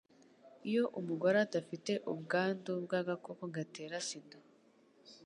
iyo umugore adafite ubwandu bw agakoko gatera sida